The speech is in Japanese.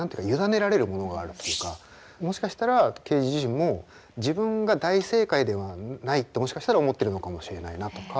もしかしたらケージ自身も自分が大正解ではないってもしかしたら思ってるのかもしれないなとか。